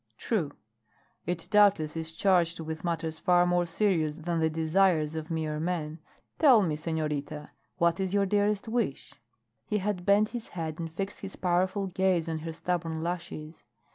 "True. It doubtless is charged with matters far more serious than the desires of mere men. Tell me, senorita, what is your dearest wish?" He had bent his head and fixed his powerful gaze on her stubborn lashes.